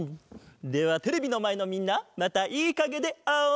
ではテレビのまえのみんなまたいいかげであおう！